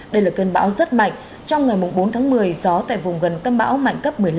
đây là cơn bão rất mạnh trong ngày bốn tháng một mươi gió tại vùng gần cân bão mạnh cấp một mươi năm giật cấp một mươi bảy